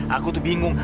aku tuh bingung